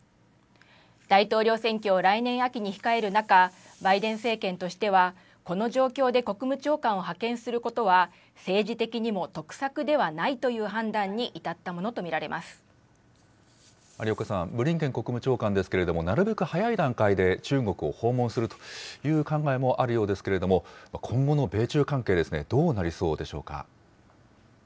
大統領選挙を来年秋に控える中、バイデン政権としては、この状況で国務長官を派遣することは政治的にも得策ではないとい有岡さん、ブリンケン国務長官ですけれども、なるべく早い段階で中国を訪問するという考えもあるようですけれども、今後の米中関係ですね、どうなりそうでしょうか。